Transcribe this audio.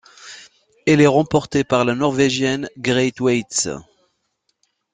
Elle est remportée par la Norvégienne Grete Waitz.